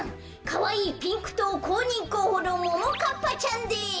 かわいいピンクとうこうにんこうほのももかっぱちゃんです！